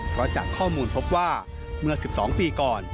เพราะจากข้อมูลพบว่าเมื่อ๑๒ปีก่อน